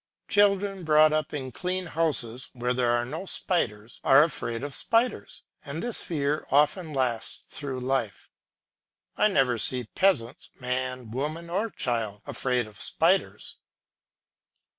Children brought up in clean houses where there are no spiders are afraid of spiders, and this fear often lasts through life. I never saw peasants, man, woman, or child, afraid of spiders.